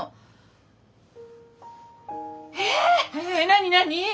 何何？